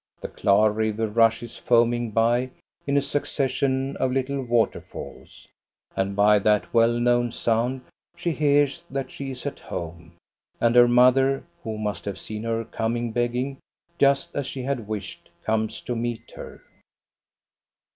The Klar River rushes foaming by in a succes sion of little waterfalls, and by that well known sound she hears that she is at home. And her mother, who must have seen her coming begging, just as she had wished, comes to meet her.